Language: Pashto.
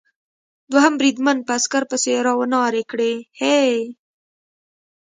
دوهم بریدمن په عسکر پسې را و نارې کړې: هې!